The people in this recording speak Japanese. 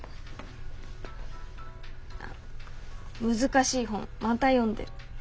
あ難しい本また読んでる。